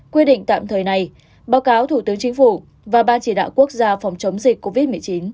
quy định tạm thời này báo cáo thủ tướng chính phủ và ban chỉ đạo quốc gia phòng chống dịch covid một mươi chín